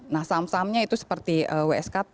nah saham sahamnya itu seperti wsk